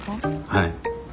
はい。